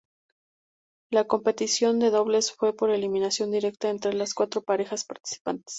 La competición de dobles fue por eliminación directa entre las cuatro parejas participantes.